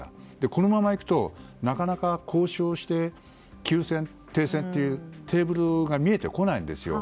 このままいくとなかなか交渉して休戦、停戦というテーブルが見えてこないんですよ。